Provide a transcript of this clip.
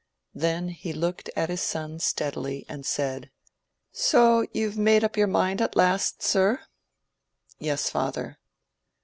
Then he looked at his son steadily, and said— "So you've made up your mind at last, sir?" "Yes, father."